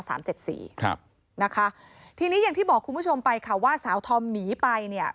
ครับนะคะทีนี้อย่างที่บอกคุณผู้ชมไปค่ะว่าสาวธอมหนีไปเนี่ย